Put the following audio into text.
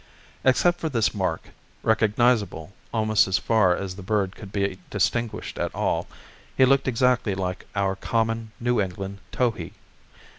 Except for this mark, recognizable almost as far as the bird could be distinguished at all, he looked exactly like our common New England towhee.